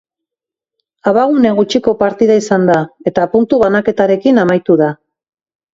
Abagune gutxiko partida izan da, eta puntu banaketarekin amaitu da.